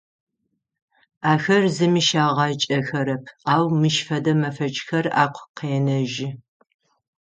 Ахэр зыми щагъакӏэхэрэп, ау мыщ фэдэ мэфэкӏхэр агу къенэжьы.